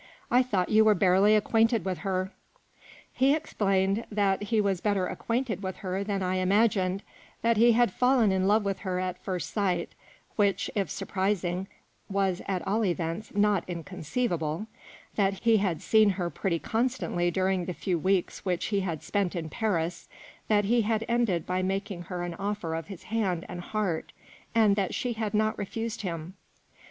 I thought you were barely acquainted with her." He explained that he was better acquainted with her than I imagined, that he had fallen in love with her at first sight (which, if surprising, was at all events not inconceivable), that he had seen her pretty constantly during the few weeks which he had spent in Paris, that he had ended by making her an offer of his hand and heart, and that she had not refused him.